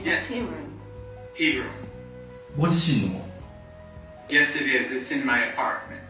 ご自身の？